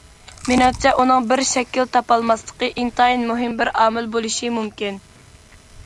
مېنىڭچە ئۇنىڭ بىر‹‹ شەكىل›› تاپالماسلىقى ئىنتايىن مۇھىم بىر ئامىل بولۇشى مۇمكىن.